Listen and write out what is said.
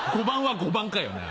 ５番は５番かよ。